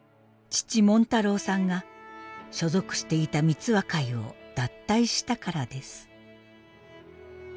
父紋太郎さんが所属していた三和会を脱退したからです。